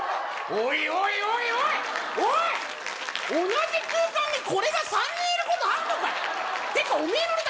おいおいおいおいっ同じ空間にこれが３人いることあんのかよていうかおめえのネタ